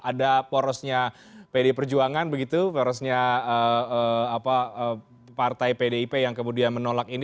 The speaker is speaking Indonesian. ada porosnya pd perjuangan begitu porosnya partai pdip yang kemudian menolak ini